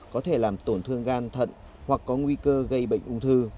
có thể làm tổn thương gan thận hoặc có nguy cơ gây bệnh ung thư